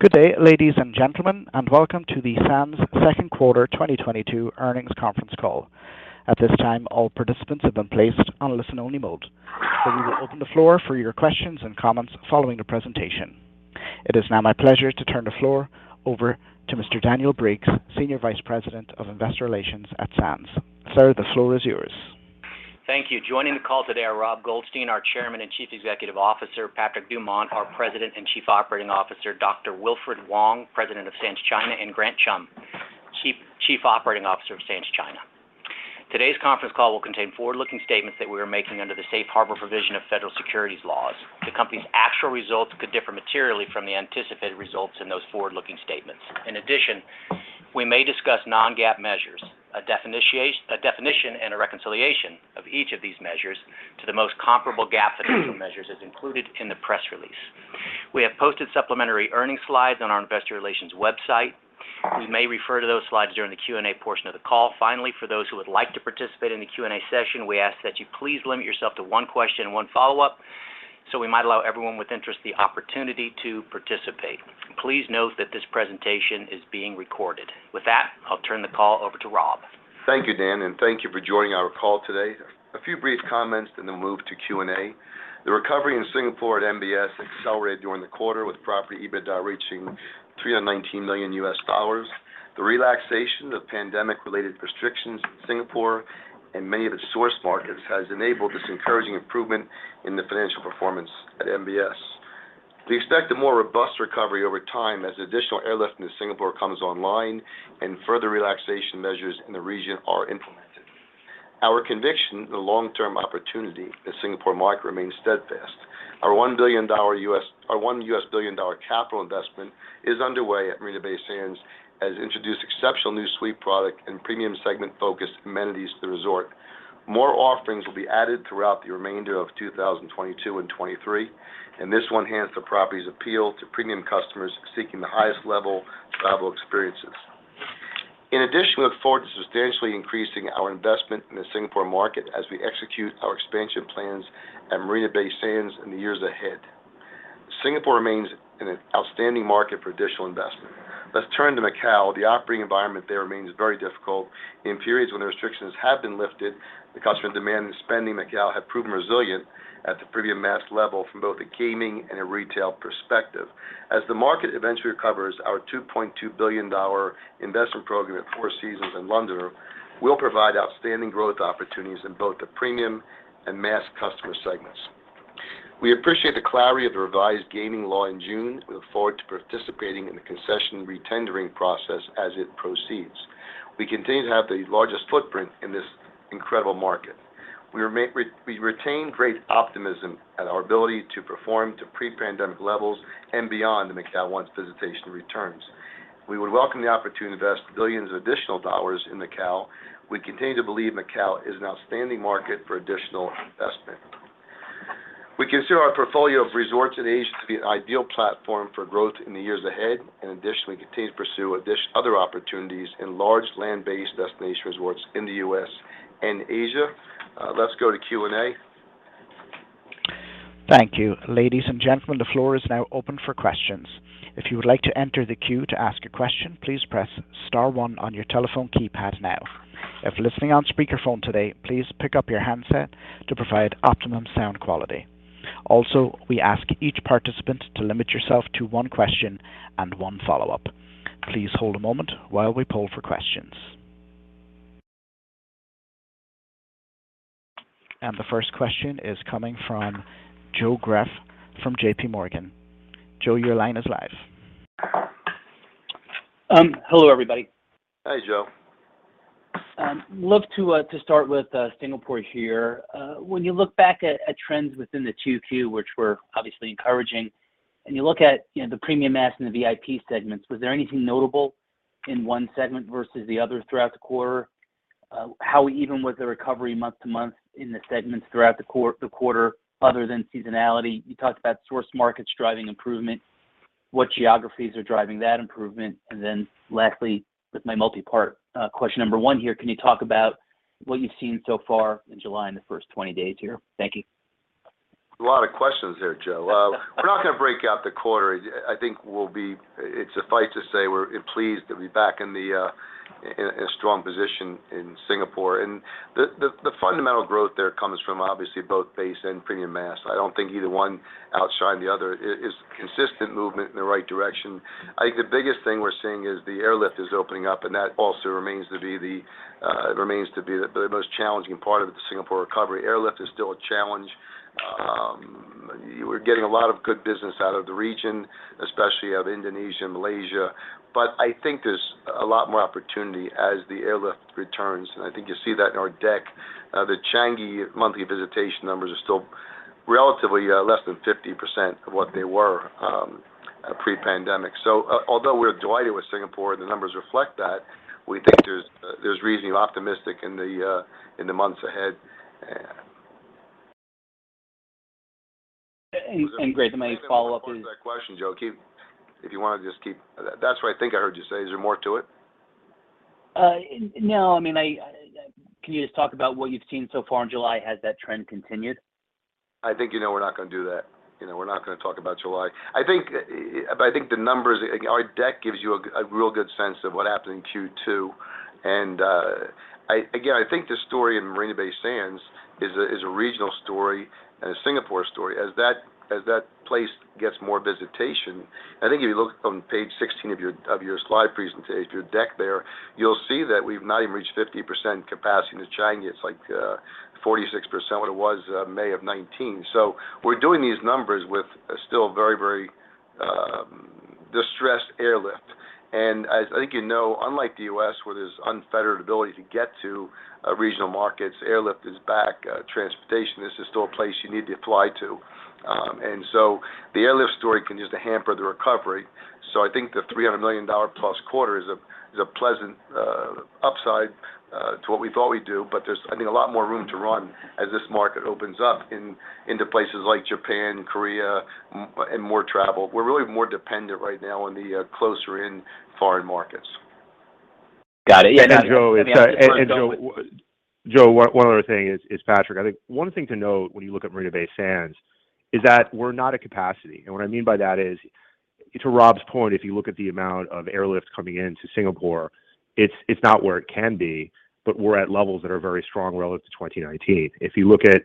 Good day, ladies and gentlemen, and welcome to the Sands second quarter 2022 earnings conference call. At this time, all participants have been placed on listen-only mode. We will open the floor for your questions and comments following the presentation. It is now my pleasure to turn the floor over to Mr. Daniel Briggs, Senior Vice President of Investor Relations at Sands. Sir, the floor is yours. Thank you. Joining the call today are Rob Goldstein, our Chairman and Chief Executive Officer; Patrick Dumont, our President and Chief Operating Officer; Dr. Wilfred Wong, President of Sands China; and Grant Chum, Chief Operating Officer of Sands China. Today's conference call will contain forward-looking statements that we are making under the safe harbor provision of federal securities laws. The company's actual results could differ materially from the anticipated results in those forward-looking statements. In addition, we may discuss non-GAAP measures. A definition and a reconciliation of each of these measures to the most comparable GAAP financial measures is included in the press release. We have posted supplementary earnings slides on our Investor Relations website. We may refer to those slides during the Q&A portion of the call. Finally, for those who would like to participate in the Q&A session, we ask that you please limit yourself to one question and one follow-up, so we might allow everyone with interest the opportunity to participate. Please note that this presentation is being recorded. With that, I'll turn the call over to Rob. Thank you, Dan, and thank you for joining our call today. A few brief comments, then we'll move to Q&A. The recovery in Singapore at MBS accelerated during the quarter with property EBITDA reaching $319 million. The relaxation of pandemic-related restrictions in Singapore and many of its source markets has enabled this encouraging improvement in the financial performance at MBS. We expect a more robust recovery over time as additional airlift in Singapore comes online and further relaxation measures in the region are implemented. Our conviction in the long-term opportunity in Singapore market remains steadfast. Our one U.S. billion dollar capital investment is underway at Marina Bay Sands, has introduced exceptional new suite product and premium segment-focused amenities to the resort. More offerings will be added throughout the remainder of 2022 and 2023, and this will enhance the property's appeal to premium customers seeking the highest level travel experiences. In addition, we look forward to substantially increasing our investment in the Singapore market as we execute our expansion plans at Marina Bay Sands in the years ahead. Singapore remains an outstanding market for additional investment. Let's turn to Macao. The operating environment there remains very difficult. In periods when the restrictions have been lifted, the customer demand and spending in Macao have proven resilient at the premium mass level from both a gaming and a retail perspective. As the market eventually recovers, our $2.2 billion investment program at Four Seasons and Londoner will provide outstanding growth opportunities in both the premium and mass customer segments. We appreciate the clarity of the revised gaming law in June. We look forward to participating in the concession re-tendering process as it proceeds. We continue to have the largest footprint in this incredible market. We retain great optimism at our ability to perform to pre-pandemic levels and beyond when Macao's visitation returns. We would welcome the opportunity to invest billions of additional dollars in Macao. We continue to believe Macao is an outstanding market for additional investment. We consider our portfolio of resorts in Asia to be an ideal platform for growth in the years ahead, and additionally, we continue to pursue other opportunities in large land-based destination resorts in the U.S. and Asia. Let's go to Q&A. Thank you. Ladies and gentlemen, the floor is now open for questions. If you would like to enter the queue to ask a question, please press star one on your telephone keypad now. If listening on speaker phone today, please pick up your handset to provide optimum sound quality. Also, we ask each participant to limit yourself to one question and one follow-up. Please hold a moment while we poll for questions. The first question is coming from Joe Greff from JPMorgan. Joe, your line is live. Hello, everybody. Hi, Joe. Love to start with Singapore here. When you look back at trends within the 2Q, which were obviously encouraging, and you look at, you know, the premium mass and the VIP segments, was there anything notable in one segment versus the other throughout the quarter? How even was the recovery month-to-month in the segments throughout the quarter, other than seasonality? You talked about source markets driving improvement. What geographies are driving that improvement? Then lastly, with my multi-part question number one here, can you talk about what you've seen so far in July in the first 20 days here? Thank you. A lot of questions there, Joe. Well, we're not gonna break out the quarter. I think it suffices to say we're pleased to be back in a strong position in Singapore. The fundamental growth there comes from obviously both base mass and premium mass. I don't think either one outshine the other. It is consistent movement in the right direction. I think the biggest thing we're seeing is the airlift is opening up, and that also remains to be the most challenging part of the Singapore recovery. Airlift is still a challenge. You know, we're getting a lot of good business out of the region, especially out of Indonesia and Malaysia, but I think there's a lot more opportunity as the airlift returns. I think you see that in our deck. The Changi monthly visitation numbers are still relatively less than 50% of what they were pre-pandemic. Although we're delighted with Singapore, and the numbers reflect that, we think there's reason to be optimistic in the months ahead. Great. My follow-up is. One second on that question, Joe. If you wanna just keep. That's what I think I heard you say. Is there more to it? No, I mean, can you just talk about what you've seen so far in July? Has that trend continued? I think, you know, we're not going to do that. You know, we're not going to talk about July. Our deck gives you a real good sense of what happened in Q2. Again, I think the story in Marina Bay Sands is a regional story and a Singapore story. As that place gets more visitation, I think if you look on page 16 of your slide presentation, your deck there, you'll see that we've not even reached 50% capacity in Changi. It's like 46% what it was May of 2019. We're doing these numbers with a still very distressed airlift. As I think you know, unlike the U.S., where there's unfettered ability to get to regional markets, airlift is back. Transportation, this is still a place you need to fly to. The airlift story continues to hamper the recovery. I think the $300 million-plus quarter is a pleasant upside to what we thought we'd do. There's a lot more room to run as this market opens up into places like Japan, Korea, and more travel. We're really more dependent right now on the closer-in foreign markets. Got it. Yeah. Joe, it's. Joe, one other thing it's Patrick. I think one thing to note when you look at Marina Bay Sands is that we're not at capacity. What I mean by that is, to Rob's point, if you look at the amount of airlift coming into Singapore, it's not where it can be, but we're at levels that are very strong relative to 2019. If you look at,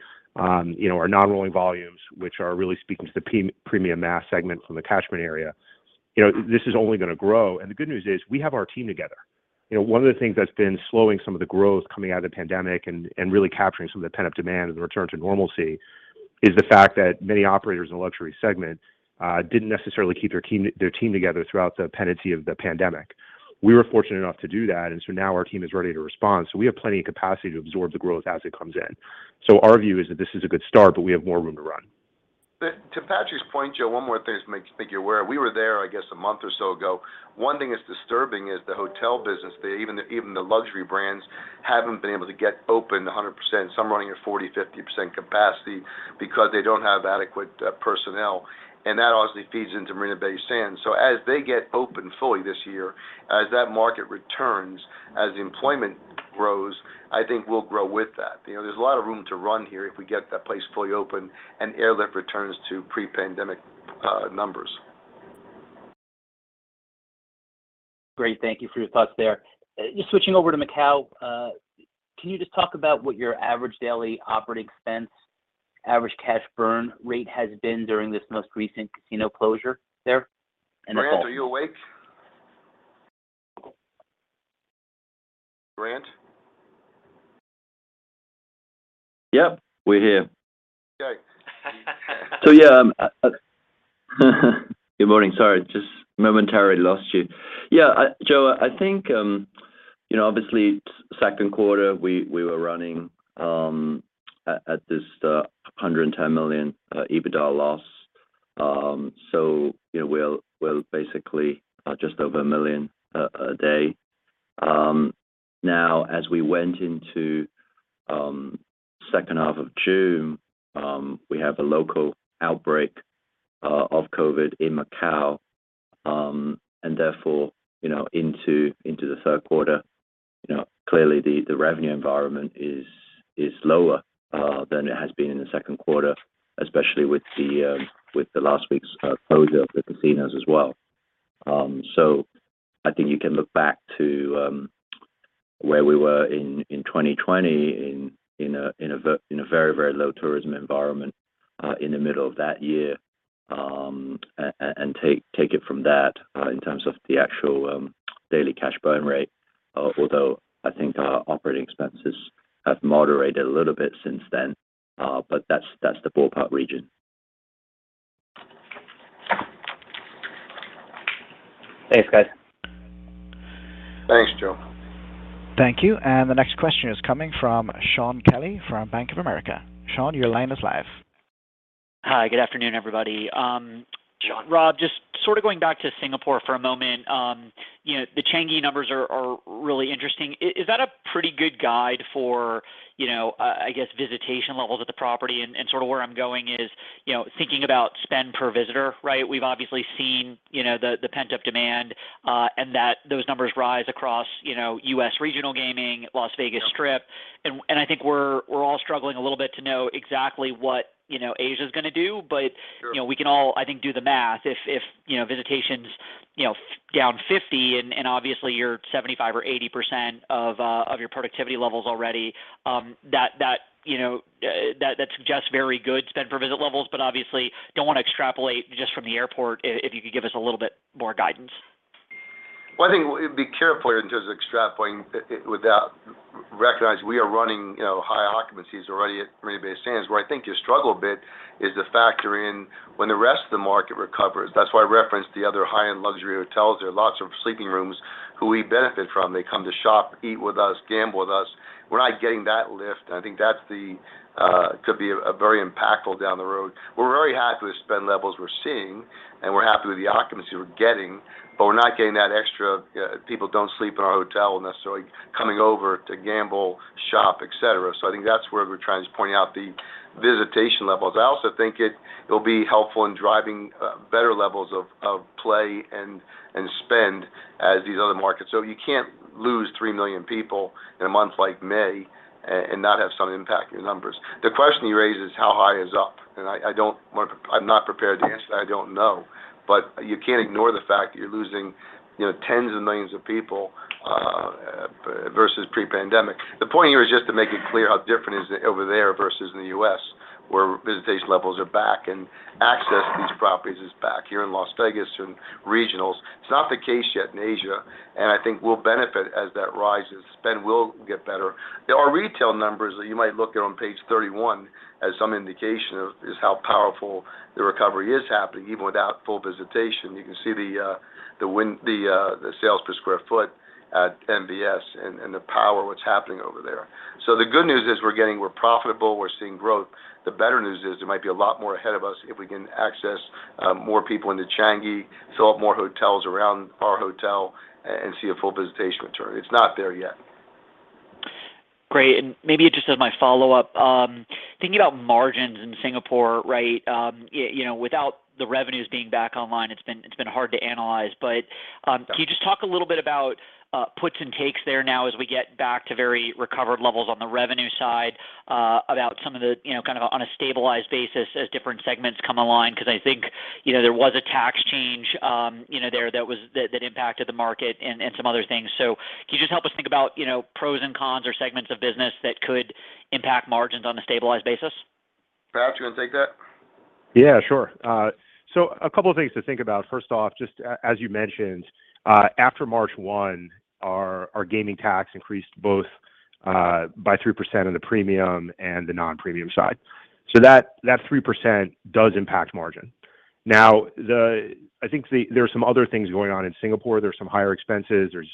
you know, our non-rolling volumes, which are really speaking to the premium mass segment from the catchment area, you know, this is only going to grow. The good news is we have our team together. You know, one of the things that's been slowing some of the growth coming out of the pandemic and really capturing some of the pent-up demand and the return to normalcy is the fact that many operators in the luxury segment didn't necessarily keep their team together throughout the pendency of the pandemic. We were fortunate enough to do that, and so now our team is ready to respond. We have plenty of capacity to absorb the growth as it comes in. Our view is that this is a good start, but we have more room to run. To Patrick's point, Joe, one more thing to make you aware. We were there, I guess, a month or so ago. One thing that's disturbing is the hotel business. Even the luxury brands haven't been able to get open 100%. Some running at 40%, 50% capacity because they don't have adequate personnel. That obviously feeds into Marina Bay Sands. As they get open fully this year, as that market returns, as employment grows, I think we'll grow with that. You know, there's a lot of room to run here if we get that place fully open and airlift returns to pre-pandemic numbers. Great. Thank you for your thoughts there. Just switching over to Macao, can you just talk about what your average daily operating expense, average cash burn rate has been during this most recent casino closure there? Grant, are you awake? Grant? Yep, we're here. Okay. Yeah, good morning. Sorry, just momentarily lost you. Yeah. Joe, I think, you know, obviously second quarter, we were running at this $110 million EBITDA loss. You know, we're basically just over a million a day. As we went into second half of June, we have a local outbreak of COVID in Macao, and therefore, you know, into the third quarter. You know, clearly the revenue environment is lower than it has been in the second quarter, especially with the last week's closure of the casinos as well. I think you can look back to where we were in 2020 in a very low tourism environment in the middle of that year, and take it from that in terms of the actual daily cash burn rate. Although I think our operating expenses have moderated a little bit since then, but that's the ballpark region. Thanks, guys. Thanks, Joe. Thank you. The next question is coming from Shaun Kelley from Bank of America. Shaun, your line is live. Hi. Good afternoon, everybody. Shaun. Rob, just sort of going back to Singapore for a moment. You know, the Changi numbers are really interesting. Is that a pretty good guide for, you know, I guess, visitation levels at the property? Sort of where I'm going is, you know, thinking about spend per visitor, right? We've obviously seen, you know, the pent-up demand, and those numbers rise across, you know, U.S. regional gaming, Las Vegas Strip. Yeah. I think we're all struggling a little bit to know exactly what, you know, Asia is gonna do. Sure You know, we can all, I think, do the math. If you know, visitation's down 50% and obviously you're 75% or 80% of your productivity levels already, that you know, suggests very good spend per visit levels, but obviously don't want to extrapolate just from the airport. If you could give us a little bit more guidance. Well, I think we'd be careful in terms of extrapolating without recognizing we are running, you know, high occupancies already at Marina Bay Sands. Where I think you struggle a bit is to factor in when the rest of the market recovers. That's why I referenced the other high-end luxury hotels. There are lots of sleeping rooms who we benefit from. They come to shop, eat with us, gamble with us. We're not getting that lift, and I think that's the could be very impactful down the road. We're very happy with the spend levels we're seeing, and we're happy with the occupancy we're getting, but we're not getting that extra, people don't sleep in our hotel necessarily coming over to gamble, shop, et cetera. I think that's where we're trying to point out the visitation levels. I also think it'll be helpful in driving better levels of play and spend as these other markets. You can't lose three million people in a month like May and not have some impact in your numbers. The question you raise is how high is up? I don't want. I'm not prepared to answer that. I don't know. You can't ignore the fact that you're losing, you know, tens of millions of people versus pre-pandemic. The point here is just to make it clear how different it is over there versus in the U.S., where visitation levels are back and access to these properties is back here in Las Vegas and regionals. It's not the case yet in Asia, and I think we'll benefit as that rises. Spend will get better. There are retail numbers that you might look at on page 31 as some indication of how powerful the recovery is happening, even without full visitation. You can see the sales per square foot at MBS and the power of what's happening over there. The good news is we're profitable, we're seeing growth. The better news is there might be a lot more ahead of us if we can access more people into Changi, fill up more hotels around our hotel, and see a full visitation return. It's not there yet. Great. Maybe just as my follow-up, thinking about margins in Singapore, right, you know, without the revenues being back online, it's been hard to analyze. But can you just talk a little bit about puts and takes there now as we get back to very recovered levels on the revenue side about some of the, you know, kind of on a stabilized basis as different segments come online? Because I think, you know, there was a tax change, you know, there that impacted the market and some other things. Can you just help us think about, you know, pros and cons or segments of business that could impact margins on a stabilized basis? Pat, do you want to take that? Yeah, sure. A couple of things to think about. First off, just as you mentioned, after March 1, our gaming tax increased both by 3% in the premium and the non-premium side. That 3% does impact margin. Now, I think there are some other things going on in Singapore. There are some higher expenses. There's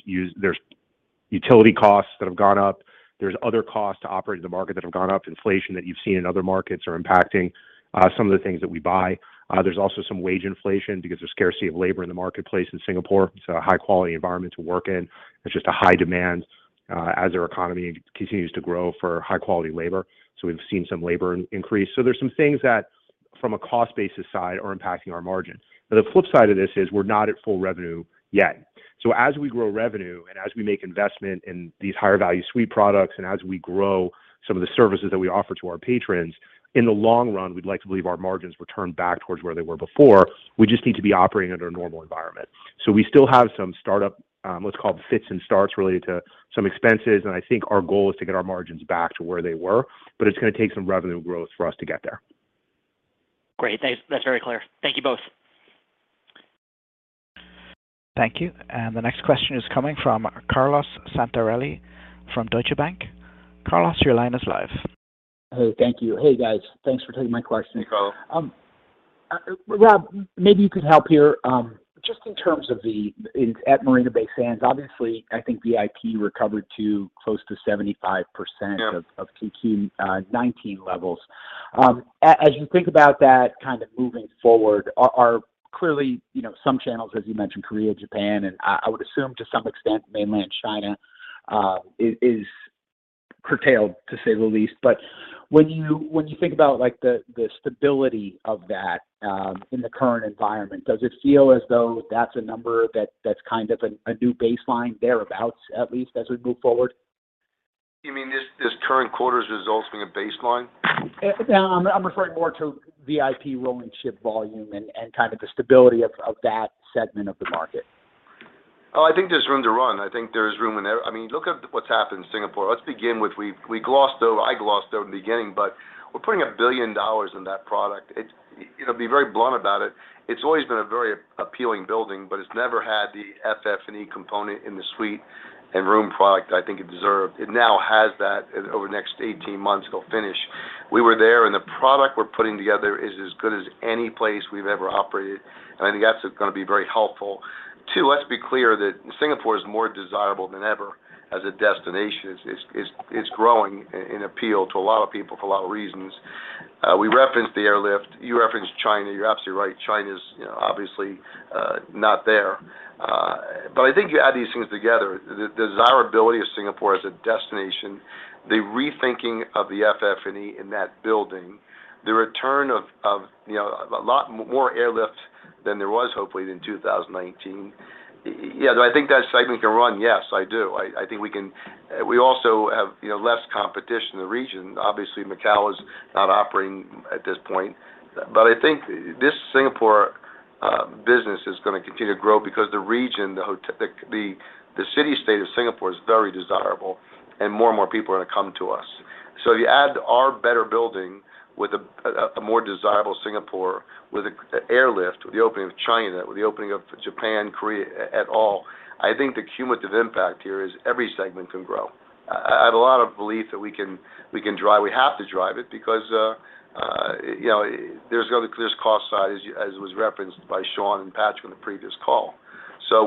utility costs that have gone up. There's other costs to operate in the market that have gone up. Inflation that you've seen in other markets are impacting some of the things that we buy. There's also some wage inflation because there's scarcity of labor in the marketplace in Singapore. It's a high-quality environment to work in. There's just a high demand as their economy continues to grow for high-quality labor. We've seen some labor increase. There's some things that from a cost basis side are impacting our margins. The flip side of this is we're not at full revenue yet. As we grow revenue and as we make investment in these higher value suite products, and as we grow some of the services that we offer to our patrons, in the long run, we'd like to believe our margins return back towards where they were before. We just need to be operating at a normal environment. We still have some startup, what's called fits and starts related to some expenses. I think our goal is to get our margins back to where they were, but it's going to take some revenue growth for us to get there. Great. Thanks. That's very clear. Thank you both. Thank you. The next question is coming from Carlo Santarelli from Deutsche Bank. Carlo, your line is live. Hey. Thank you. Hey, guys. Thanks for taking my question. Hey, Carlo. Rob, maybe you could help here. Just in terms of at Marina Bay Sands, obviously, I think VIP recovered to close to 75%. Yeah. Of 2019 levels. As you think about that kind of moving forward, are clearly, you know, some channels, as you mentioned, Korea, Japan, and I would assume to some extent Mainland China, is curtailed, to say the least. When you think about, like, the stability of that, in the current environment, does it feel as though that's a number that's kind of a new baseline thereabout, at least as we move forward? You mean this current quarter's results being a baseline? I'm referring more to VIP rolling chip volume and kind of the stability of that segment of the market. I think there's room to run. I think there's room in there. I mean, look at what's happened in Singapore. Let's begin with I glossed over in the beginning, but we're putting $1 billion in that product. It's, you know, to be very blunt about it's always been a very appealing building, but it's never had the FF&E component in the suite and room product I think it deserved. It now has that over the next 18 months it'll finish. We were there, and the product we're putting together is as good as any place we've ever operated, and I think that's going to be very helpful. Two, let's be clear that Singapore is more desirable than ever as a destination. It's growing in appeal to a lot of people for a lot of reasons. We referenced the airlift. You referenced China. You're absolutely right. China's, you know, obviously not there. But I think you add these things together, the desirability of Singapore as a destination, the rethinking of the FF&E in that building, the return of, you know, a lot more airlift than there was, hopefully, than in 2019. Yeah, do I think that segment can run? Yes, I do. I think we can. We also have, you know, less competition in the region. Obviously, Macao is not operating at this point. But I think this Singapore business is going to continue to grow because the region, the city-state of Singapore is very desirable and more and more people are going to come to us. You add our better building with a more desirable Singapore with a airlift, with the opening of China, with the opening of Japan, Korea et al. I think the cumulative impact here is every segment can grow. I have a lot of belief that we can drive—we have to drive it because you know, there's clearly a cost side as was referenced by Shaun and Patrick on the previous call.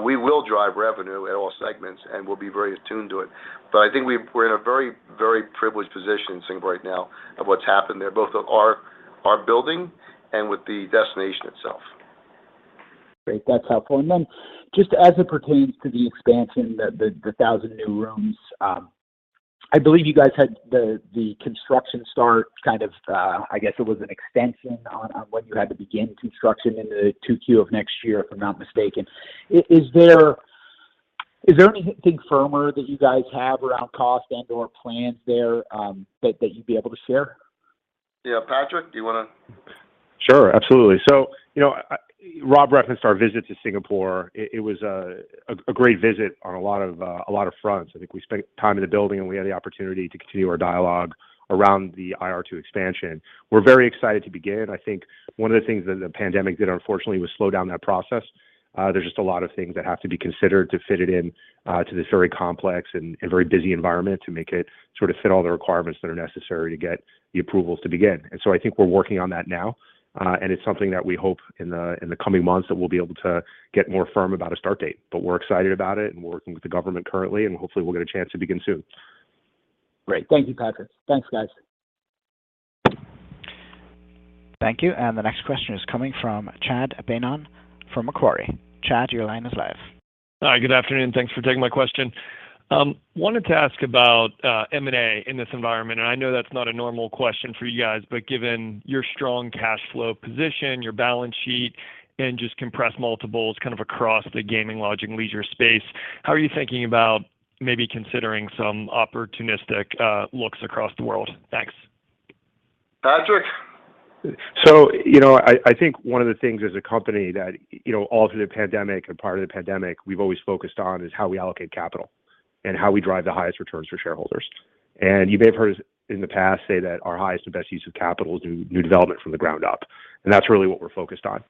We will drive revenue at all segments, and we'll be very attuned to it. I think we're in a very privileged position in Singapore right now of what's happened there, both with our building and with the destination itself. Great. That's helpful. Just as it pertains to the expansion, 1,000 new rooms, I believe you guys had the construction start kind of, I guess it was an extension on when you had to begin construction in the 2Q of next year, if I'm not mistaken. Is there anything firmer that you guys have around cost and/or plans there, that you'd be able to share? Yeah. Patrick, do you wanna? Sure. Absolutely. You know, Rob referenced our visit to Singapore. It was a great visit on a lot of fronts. I think we spent time in the building, and we had the opportunity to continue our dialogue around the IR2 expansion. We're very excited to begin. I think one of the things that the pandemic did, unfortunately, was slow down that process. There's just a lot of things that have to be considered to fit it in to this very complex and very busy environment to make it sort of fit all the requirements that are necessary to get the approvals to begin. I think we're working on that now, and it's something that we hope in the coming months that we'll be able to get more firm about a start date. We're excited about it, and we're working with the government currently, and hopefully we'll get a chance to begin soon. Great. Thank you, Patrick. Thanks, guys. Thank you. The next question is coming from Chad Beynon from Macquarie. Chad, your line is live. Hi. Good afternoon. Thanks for taking my question. Wanted to ask about M&A in this environment. I know that's not a normal question for you guys, but given your strong cash flow position, your balance sheet, and just compressed multiples kind of across the gaming, lodging and leisure space, how are you thinking about maybe considering some opportunistic looks across the world? Thanks. Patrick. You know, I think one of the things as a company that, you know, all through the pandemic and part of the pandemic, we've always focused on is how we allocate capital and how we drive the highest returns for shareholders. You may have heard us in the past say that our highest and best use of capital is new development from the ground up, and that's really what we're focused on.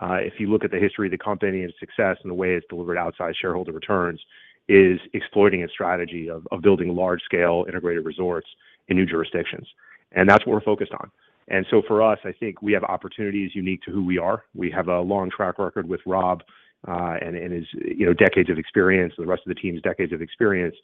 If you look at the history of the company and success and the way it's delivered outsized shareholder returns is exploiting its strategy of building large scale integrated resorts in new jurisdictions. That's what we're focused on. For us, I think we have opportunities unique to who we are. We have a long track record with Rob, and his, you know, decades of experience, the rest of the team's decades of experience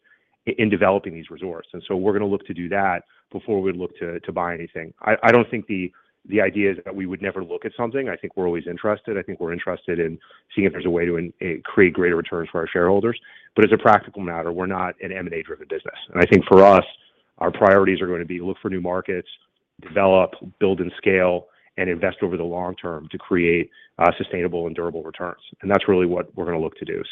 in developing these resorts. We're gonna look to do that before we look to buy anything. I don't think the idea is that we would never look at something. I think we're always interested. I think we're interested in seeing if there's a way to create greater returns for our shareholders. But as a practical matter, we're not an M&A-driven business. I think for us, our priorities are gonna be look for new markets, develop, build and scale, and invest over the long term to create sustainable and durable returns. That's really what we're gonna look to do.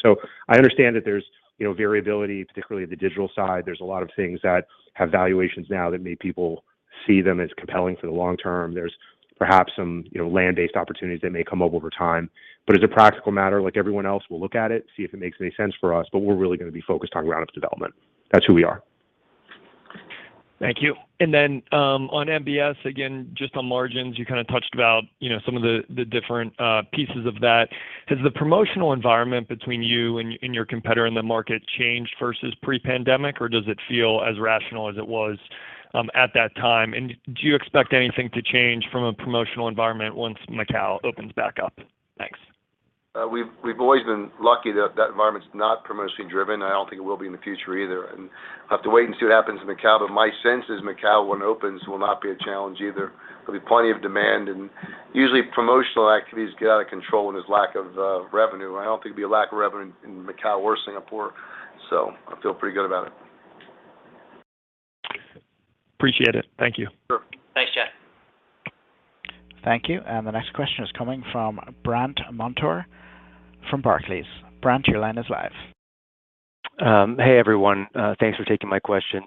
I understand that there's, you know, variability, particularly at the digital side. There's a lot of things that have valuations now that many people see them as compelling for the long term. There's perhaps some, you know, land-based opportunities that may come up over time. As a practical matter, like everyone else, we'll look at it, see if it makes any sense for us, but we're really gonna be focused on ground up development. That's who we are. Thank you. On MBS, again, just on margins, you kinda touched about, you know, some of the different pieces of that. Has the promotional environment between you and your competitor in the market changed versus pre-pandemic, or does it feel as rational as it was at that time? Do you expect anything to change from a promotional environment once Macao opens back up? Thanks. We've always been lucky that that environment's not promotionally driven. I don't think it will be in the future either. We'll have to wait and see what happens in Macao, but my sense is Macao, when it opens, will not be a challenge either. There'll be plenty of demand, and usually promotional activities get out of control when there's lack of revenue. I don't think there'll be a lack of revenue in Macao or Singapore, so I feel pretty good about it. Appreciate it. Thank you. Sure. Thanks, Chad. Thank you. The next question is coming from Brandt Montour from Barclays. Brandt, your line is live. Hey, everyone. Thanks for taking my question.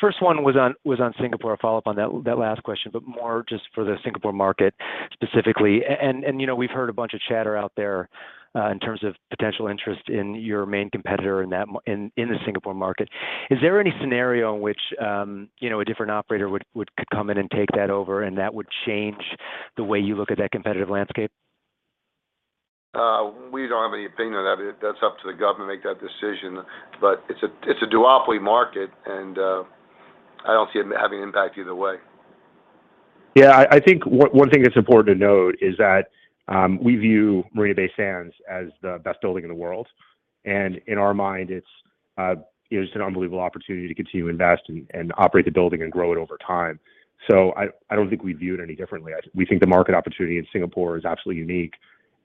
First one was on Singapore. A follow-up on that last question, but more just for the Singapore market specifically. You know, we've heard a bunch of chatter out there in terms of potential interest in your main competitor in the Singapore market. Is there any scenario in which you know, a different operator could come in and take that over, and that would change the way you look at that competitive landscape? We don't have any opinion on that. That's up to the government to make that decision. It's a duopoly market, and I don't see it having an impact either way. Yeah. I think one thing that's important to note is that we view Marina Bay Sands as the best building in the world. In our mind, it's you know, just an unbelievable opportunity to continue to invest and operate the building and grow it over time. I don't think we view it any differently. We think the market opportunity in Singapore is absolutely unique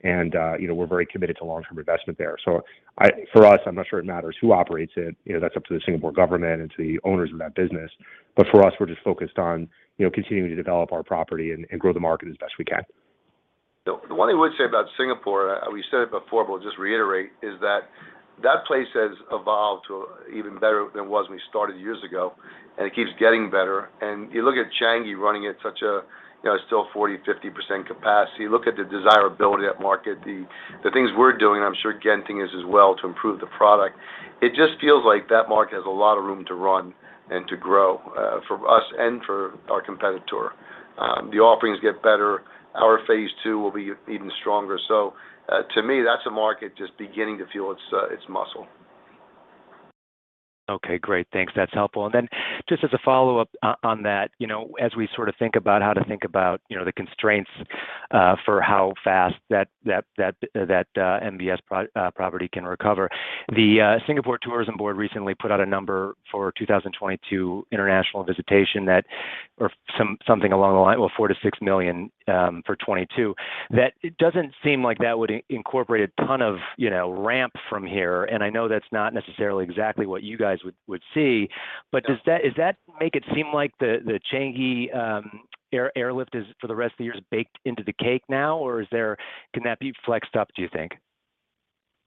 and you know, we're very committed to long-term investment there. For us, I'm not sure it matters who operates it. You know, that's up to the Singapore government and to the owners of that business. For us, we're just focused on you know, continuing to develop our property and grow the market as best we can. The one thing I would say about Singapore, we said it before, but we'll just reiterate, is that that place has evolved to even better than it was when we started years ago, and it keeps getting better. You look at Changi running at such a, you know, still 40%-50% capacity. You look at the desirability of that market, the things we're doing, I'm sure Genting is as well, to improve the product. It just feels like that market has a lot of room to run and to grow, for us and for our competitor. The offerings get better. Our phase II will be even stronger. To me, that's a market just beginning to feel its muscle. Okay. Great. Thanks. That's helpful. Just as a follow-up on that, you know, as we sort of think about how to think about, you know, the constraints for how fast that MBS property can recover, the Singapore Tourism Board recently put out a number for 2022 international visitation that. Something along those lines of, well, $4 million-$6 million for 2022. That it doesn't seem like that would incorporate a ton of, you know, ramp from here, and I know that's not necessarily exactly what you guys would see. Does that make it seem like the Changi airlift for the rest of the year is baked into the cake now? Can that be flexed up, do you think?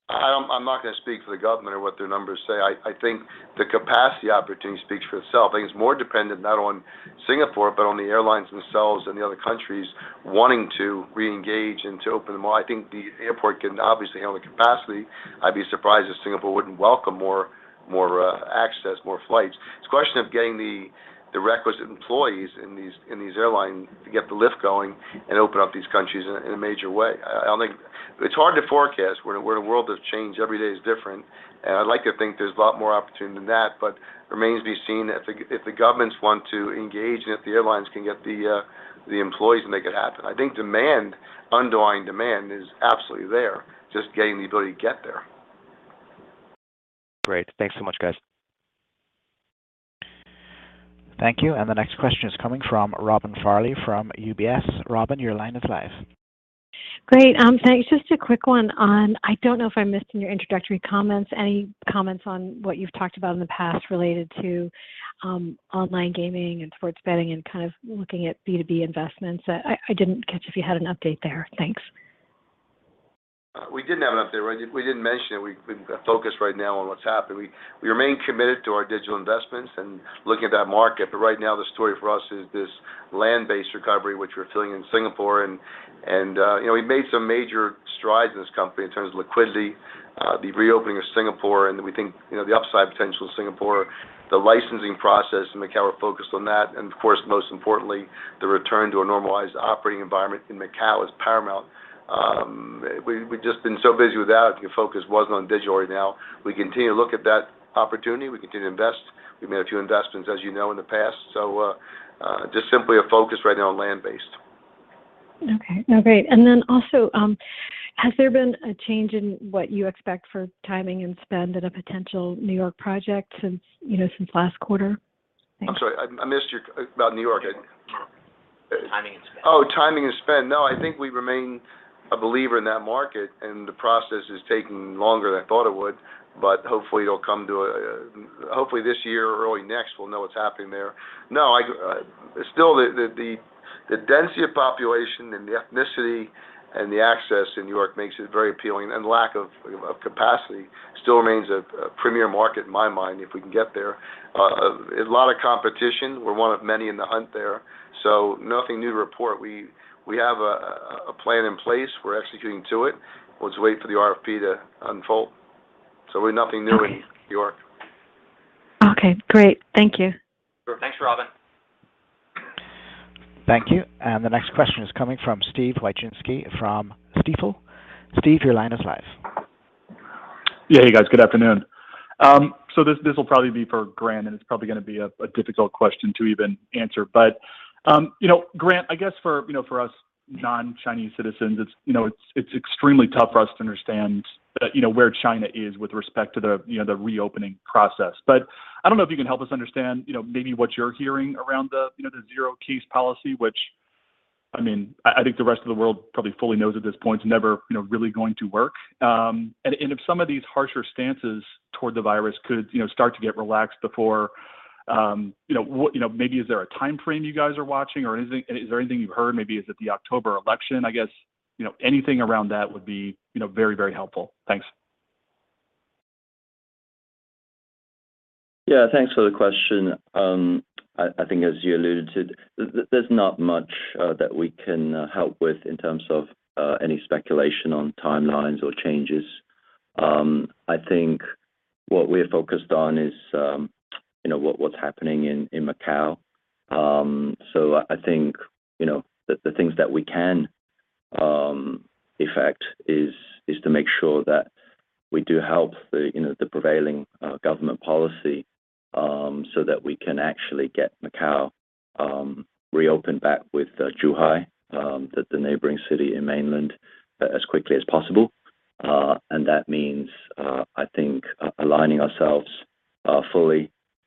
I'm not gonna speak for the government or what their numbers say. I think the capacity opportunity speaks for itself. I think it's more dependent not on Singapore, but on the airlines themselves and the other countries wanting to reengage and to open them all. I think the airport can obviously handle the capacity. I'd be surprised if Singapore wouldn't welcome more access, more flights. It's a question of getting the requisite employees in these airlines to get the lift going and open up these countries in a major way. I think it's hard to forecast where the world has changed, every day is different. I'd like to think there's a lot more opportunity than that, but remains to be seen if the governments want to engage and if the airlines can get the employees to make it happen. I think demand, underlying demand, is absolutely there, just getting the ability to get there. Great. Thanks so much, guys. Thank you. The next question is coming from Robin Farley from UBS. Robin, your line is live. Great. Thanks. Just a quick one on I don't know if I missed in your introductory comments, any comments on what you've talked about in the past related to online gaming and sports betting and kind of looking at B2B investments. I didn't catch if you had an update there. Thanks. We didn't have an update. We didn't mention it. We've been focused right now on what's happened. We remain committed to our digital investments and looking at that market. Right now, the story for us is this land-based recovery, which we're feeling in Singapore. You know, we made some major strides in this company in terms of liquidity, the reopening of Singapore, and we think, you know, the upside potential of Singapore, the licensing process in Macao, we're focused on that. Of course, most importantly, the return to a normalized operating environment in Macao is paramount. We've just been so busy with that, the focus wasn't on digital right now. We continue to look at that opportunity. We continue to invest. We made a few investments, as you know, in the past. Just simply a focus right now on land-based. Okay. No, great. Has there been a change in what you expect for timing and spend at a potential New York project since, you know, since last quarter? Thanks. I'm sorry, I missed your about New York. Timing of spend. Timing of spend. No, I think we remain a believer in that market, and the process is taking longer than I thought it would, but hopefully this year or early next, we'll know what's happening there. No, still the density of population and the ethnicity and the access in New York makes it very appealing, and lack of capacity still remains a premier market in my mind, if we can get there. A lot of competition. We're one of many in the hunt there. Nothing new to report. We have a plan in place. We're executing to it. We'll just wait for the RFP to unfold. We're nothing new in New York. Okay, great. Thank you. Sure. Thanks, Robin. Thank you. The next question is coming from Steve Wieczynski from Stifel. Steve, your line is live. Yeah, hey, guys. Good afternoon. This will probably be for Grant, and it's probably gonna be a difficult question to even answer. You know, Grant, I guess for, you know, for us non-Chinese citizens, it's extremely tough for us to understand, you know, where China is with respect to the reopening process. I don't know if you can help us understand, you know, maybe what you're hearing around the zero case policy, which I mean, I think the rest of the world probably fully knows at this point, it's never, you know, really going to work. If some of these harsher stances toward the virus could, you know, start to get relaxed before, you know, maybe is there a timeframe you guys are watching or anything, is there anything you've heard? Maybe is it the October election? I guess, you know, anything around that would be, you know, very, very helpful. Thanks. Yeah. Thanks for the question. I think as you alluded to, there's not much that we can help with in terms of any speculation on timelines or changes. I think what we're focused on is, you know, what's happening in Macao. I think, you know, the things that we can effect is to make sure that we do help the, you know, the prevailing government policy, so that we can actually get Macao reopened back with Zhuhai, the neighboring city in Mainland, as quickly as possible. That means, I think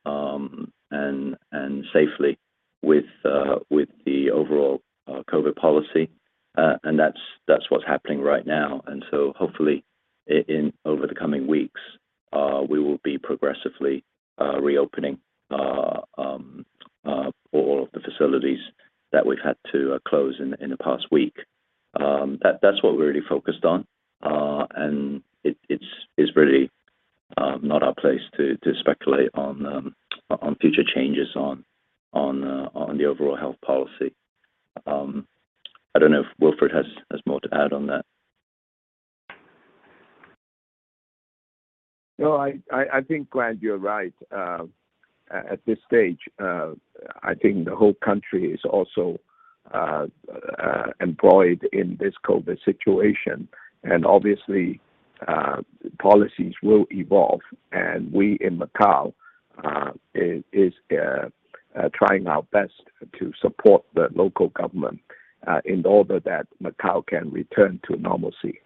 aligning ourselves fully and safely with the overall COVID policy. That's what's happening right now. Hopefully over the coming weeks, we will be progressively reopening all of the facilities that we've had to close in the past week. That's what we're really focused on. It's really not our place to speculate on future changes on the overall health policy. I don't know if Wilfred has more to add on that. No, I think, Grant, you're right. At this stage, I think the whole country is also embroiled in this COVID situation, and obviously, policies will evolve. We in Macao are trying our best to support the local government in order that Macao can return to normalcy.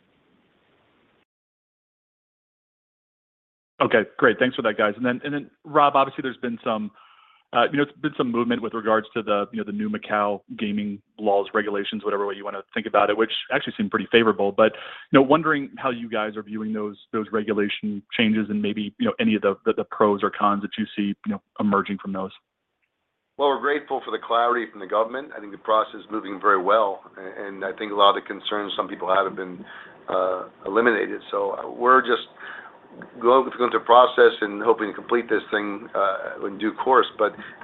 Okay, great. Thanks for that, guys. Rob, obviously, there's been some movement with regards to the new Macao gaming laws, regulations, whatever way you wanna think about it, which actually seem pretty favorable. You know, wondering how you guys are viewing those regulation changes and maybe any of the pros or cons that you see emerging from those. Well, we're grateful for the clarity from the government. I think the process is moving very well. I think a lot of the concerns some people had have been eliminated. We're just going through a process and hoping to complete this thing in due course.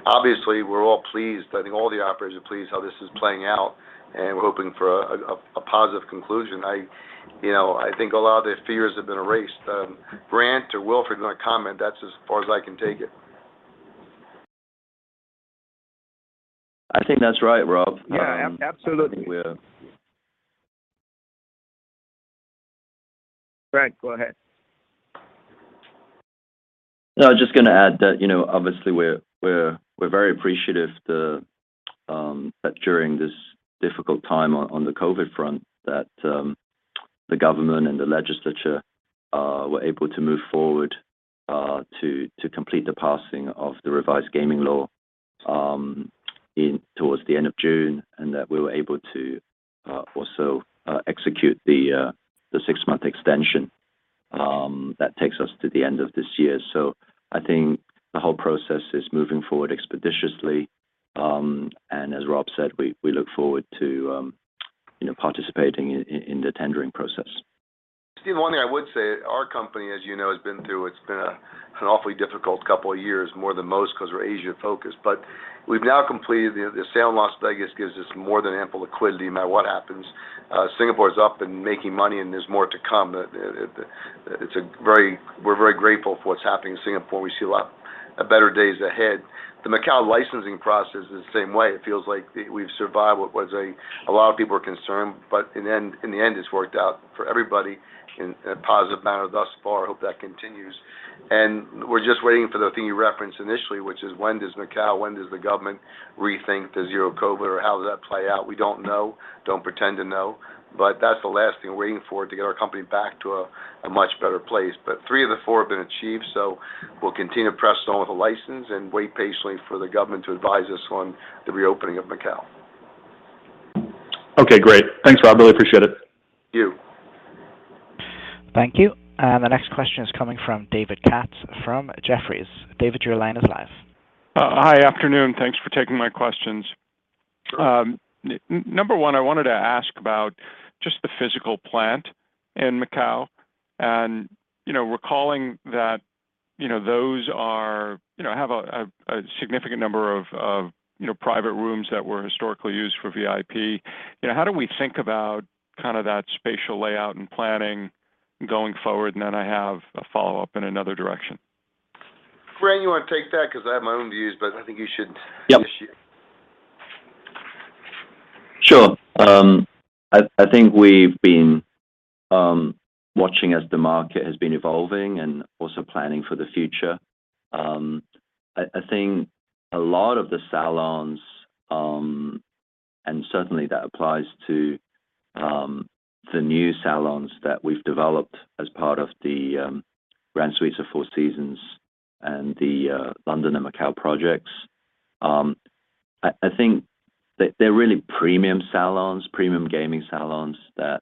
Obviously, we're all pleased. I think all the operators are pleased how this is playing out, and we're hoping for a positive conclusion. You know, I think a lot of the fears have been erased. Grant or Wilfred can comment. That's as far as I can take it. I think that's right, Rob. Yeah, absolutely. I think we're. Grant, go ahead. No, I was just gonna add that, you know, obviously we're very appreciative to that during this difficult time on the COVID front that the government and the legislature were able to move forward to complete the passing of the revised gaming law towards the end of June, and that we were able to also execute the six-month extension that takes us to the end of this year. I think the whole process is moving forward expeditiously. As Rob said, we look forward to, you know, participating in the tendering process. Stephen, one thing I would say, our company, as you know, has been through an awfully difficult couple of years, more than most because we're Asia focused. We've now completed the sale in Las Vegas gives us more than ample liquidity no matter what happens. Singapore is up and making money and there's more to come. We're very grateful for what's happening in Singapore. We see a lot better days ahead. The Macao licensing process is the same way. It feels like we've survived. A lot of people are concerned, but in the end, it's worked out for everybody in a positive manner thus far. Hope that continues. We're just waiting for the thing you referenced initially, which is when does the government rethink the zero COVID or how does that play out? We don't know. Don't pretend to know. That's the last thing we're waiting for to get our company back to a much better place. Three of the four have been achieved, so we'll continue to press on with the license and wait patiently for the government to advise us on the reopening of Macao. Okay, great. Thanks, Rob. Really appreciate it. Thank you. Thank you. The next question is coming from David Katz from Jefferies. David, your line is live. Hi. Afternoon. Thanks for taking my questions. Number one, I wanted to ask about just the physical plant in Macao and, you know, recalling that, you know, those are, you know, have a significant number of, you know, private rooms that were historically used for VIP. You know, how do we think about kinda that spatial layout and planning going forward? I have a follow-up in another direction. Grant, you wanna take that? Because I have my own views, but I think you should. Yep. Sure. I think we've been watching as the market has been evolving and also planning for the future. I think a lot of the salons, and certainly that applies to the new salons that we've developed as part of the Grand Suites at Four Seasons and the Londoner Macao projects. I think they're really premium salons, premium gaming salons that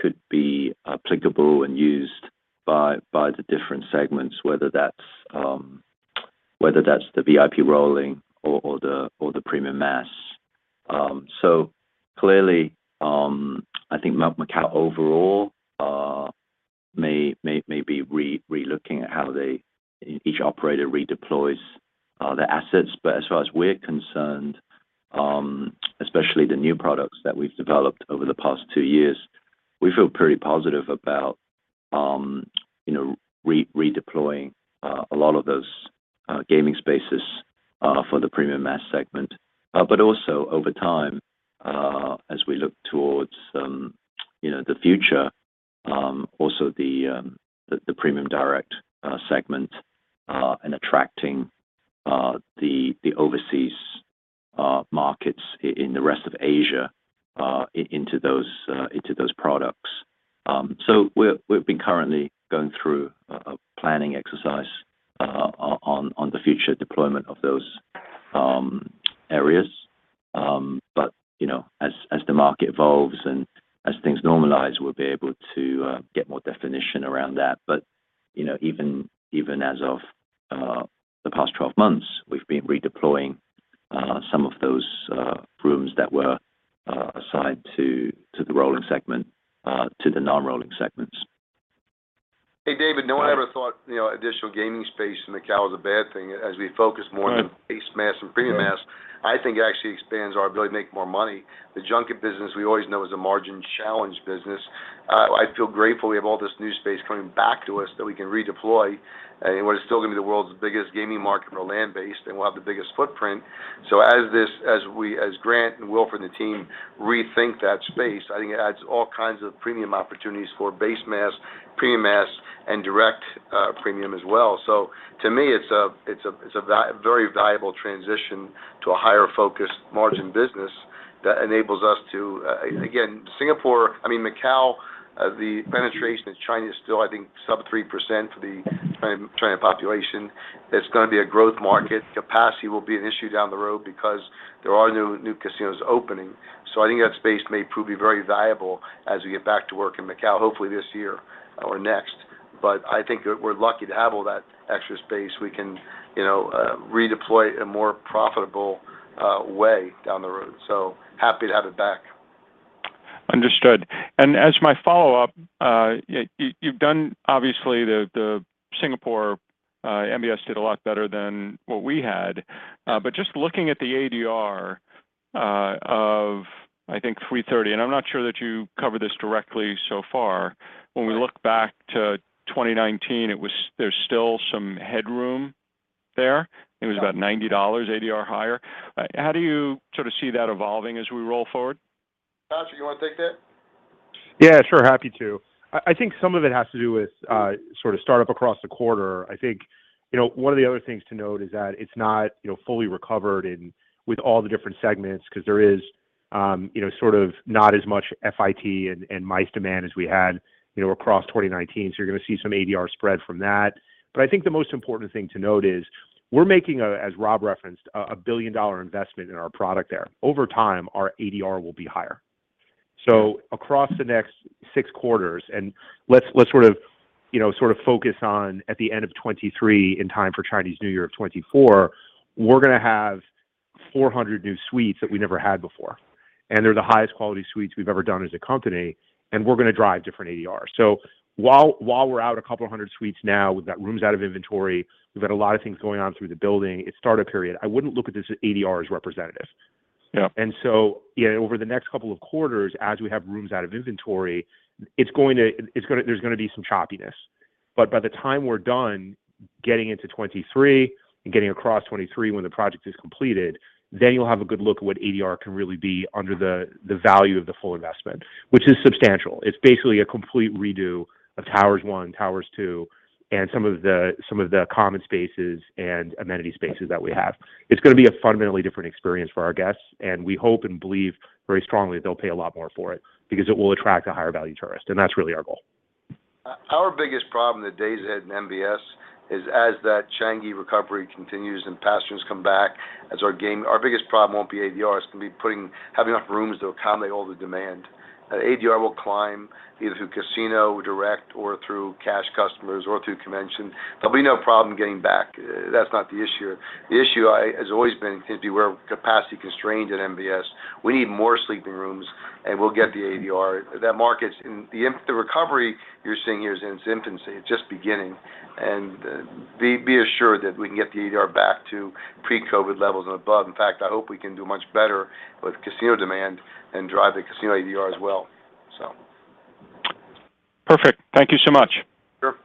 could be applicable and used by the different segments, whether that's the VIP rolling or the premium mass. Clearly, I think Macao overall may be relooking at how each operator redeploys their assets. As far as we're concerned, especially the new products that we've developed over the past two years, we feel pretty positive about, you know, redeploying a lot of those gaming spaces for the premium mass segment. Also over time, as we look towards, you know, the future, also the premium direct segment and attracting the overseas markets in the rest of Asia into those products. We've been currently going through a planning exercise on the future deployment of those areas. You know, as the market evolves and as things normalize, we'll be able to get more definition around that. You know, even as of the past 12 months, we've been redeploying some of those rooms that were assigned to the rolling segment to the non-rolling segments. Hey, David, no one ever thought, you know, additional gaming space in Macao was a bad thing. As we focus more- Right. On base mass and premium mass, I think it actually expands our ability to make more money. The junket business we always know is a margin challenged business. I feel grateful we have all this new space coming back to us that we can redeploy. We're still gonna be the world's biggest gaming market. We're land-based, and we'll have the biggest footprint. As Grant and Wilfred and the team rethink that space, I think it adds all kinds of premium opportunities for base mass, premium mass, and direct premium as well. To me, it's a very valuable transition to a higher focused margin business. That enables us to, again, Macao, the penetration in China is still, I think, sub 3% for the Chinese population. It's going to be a growth market. Capacity will be an issue down the road because there are new casinos opening. I think that space may prove to be very valuable as we get back to work in Macao, hopefully this year or next. I think we're lucky to have all that extra space. We can, you know, redeploy a more profitable way down the road. Happy to have it back. Understood. As my follow-up, you've done obviously the Singapore MBS did a lot better than what we had. Just looking at the ADR of, I think, $330, and I'm not sure that you cover this directly so far. When we look back to 2019, it was. There's still some headroom there. It was about $90 ADR higher. How do you sort of see that evolving as we roll forward? Patrick, you want to take that? Yeah, sure. Happy to. I think some of it has to do with sort of start up across the quarter. I think, you know, one of the other things to note is that it's not, you know, fully recovered with all the different segments because there is, you know, sort of not as much FIT and MICE demand as we had, you know, across 2019. So you're going to see some ADR spread from that. But I think the most important thing to note is we're making, as Rob referenced, a billion-dollar investment in our product there. Over time, our ADR will be higher. Across the next six quarters, let's sort of focus on at the end of 2023 in time for Chinese New Year of 2024, we're going to have 400 new suites that we never had before. They're the highest quality suites we've ever done as a company, and we're going to drive different ADR. While we're out a couple of 100 suites now, we've got rooms out of inventory. We've got a lot of things going on through the building. It's startup period. I wouldn't look at this ADR as representative. Yeah. Over the next couple of quarters, as we have rooms out of inventory, there's going to be some choppiness. By the time we're done getting into 2023 and getting across 2023 when the project is completed, then you'll have a good look at what ADR can really be under the value of the full investment, which is substantial. It's basically a complete redo of Towers One, Towers Two, and some of the common spaces and amenity spaces that we have. It's going to be a fundamentally different experience for our guests, and we hope and believe very strongly that they'll pay a lot more for it because it will attract a higher value tourist, and that's really our goal. Our biggest problem in the days ahead in MBS is that Changi recovery continues and passengers come back. Our biggest problem won't be ADR. It's going to be having enough rooms to accommodate all the demand. ADR will climb either through casino, direct or through cash customers or through convention. There'll be no problem getting back. That's not the issue. The issue has always been is we're capacity constrained at MBS. We need more sleeping rooms, and we'll get the ADR. The recovery you're seeing here is in its infancy. It's just beginning. Be assured that we can get the ADR back to pre-COVID levels and above. In fact, I hope we can do much better with casino demand and drive the casino ADR as well. Perfect. Thank you so much. Sure.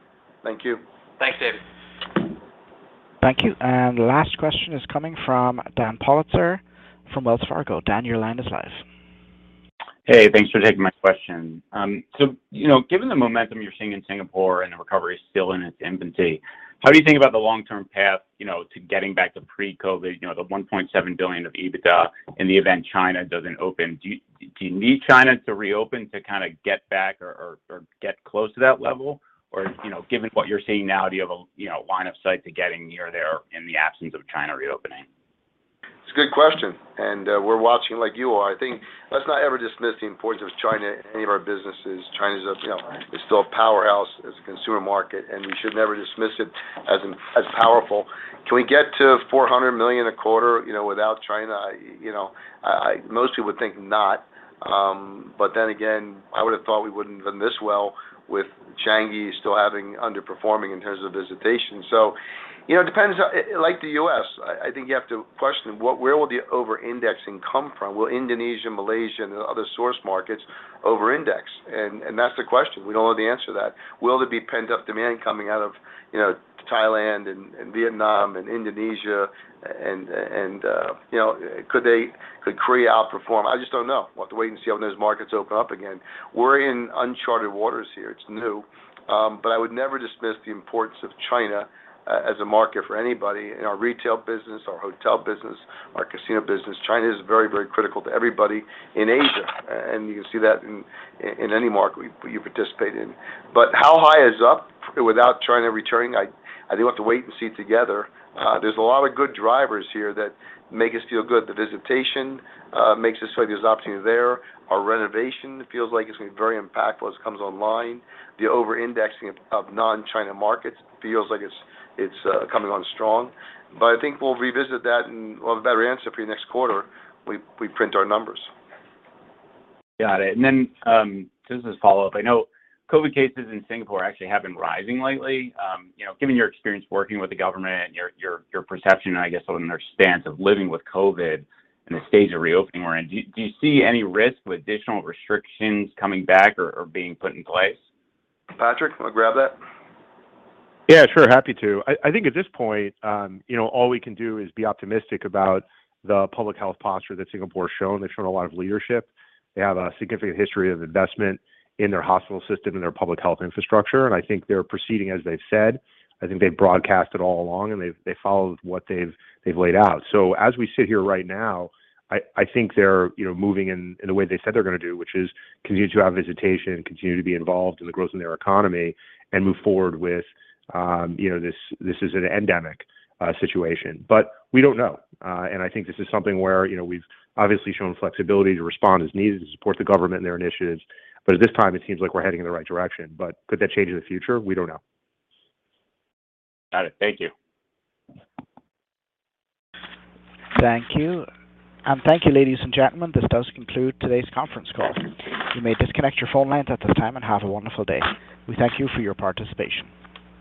Thank you. Thanks, David. Thank you. Last question is coming from Dan Politzer from Wells Fargo. Dan, your line is live. Hey, thanks for taking my question. So, you know, given the momentum you're seeing in Singapore and the recovery is still in its infancy, how do you think about the long-term path, you know, to getting back to pre-COVID, you know, the $1.7 billion of EBITDA in the event China doesn't open? Do you need China to reopen to kind of get back or get close to that level? Or, you know, given what you're seeing now, do you have a, you know, line of sight to getting near there in the absence of China reopening? It's a good question, and we're watching like you are. I think let's not ever dismiss the importance of China in any of our businesses. China's, you know, is still a powerhouse as a consumer market, and we should never dismiss it as powerful. Can we get to $400 million a quarter, you know, without China? You know, most people would think not. But then again, I would have thought we wouldn't have done this well with Changi still having underperforming in terms of visitation. You know, it depends. Like the U.S., I think you have to question where will the over-indexing come from? Will Indonesia, Malaysia, and other source markets over-index? And that's the question. We don't know the answer to that. Will there be pent-up demand coming out of, you know, Thailand and Vietnam and Indonesia and, you know, could Korea outperform? I just don't know. We'll have to wait and see how those markets open up again. We're in uncharted waters here. It's new. I would never dismiss the importance of China as a market for anybody in our retail business, our hotel business, our casino business. China is very, very critical to everybody in Asia, and you can see that in any market you participate in. How high is up without China returning? I do have to wait and see together. There's a lot of good drivers here that make us feel good. The visitation makes us feel like there's opportunity there. Our renovation feels like it's going to be very impactful as it comes online. The over-indexing of non-China markets feels like it's coming on strong. I think we'll revisit that and we'll have a better answer for you next quarter we print our numbers. Got it. Just as a follow-up, I know COVID cases in Singapore actually have been rising lately. You know, given your experience working with the government and your perception, I guess, on their stance of living with COVID and the stage of reopening we're in, do you see any risk with additional restrictions coming back or being put in place? Patrick, you want to grab that? Yeah, sure. Happy to. I think at this point, you know, all we can do is be optimistic about the public health posture that Singapore's shown. They've shown a lot of leadership. They have a significant history of investment in their hospital system and their public health infrastructure, and I think they're proceeding as they've said. I think they've broadcast it all along, and they followed what they've laid out. As we sit here right now, I think they're, you know, moving in the way they said they're going to do, which is continue to have visitation, continue to be involved in the growth in their economy and move forward with, you know, this is an endemic situation. We don't know. I think this is something where, you know, we've obviously shown flexibility to respond as needed to support the government and their initiatives. At this time, it seems like we're heading in the right direction. Could that change in the future? We don't know. Got it. Thank you. Thank you. Thank you, ladies and gentlemen. This does conclude today's conference call. You may disconnect your phone lines at this time and have a wonderful day. We thank you for your participation.